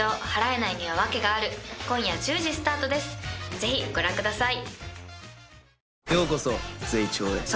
ぜひご覧ください。